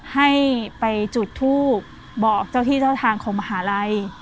ให้ไปจุดทูบบอกเจ้าที่เจ้าทางของมหาลัย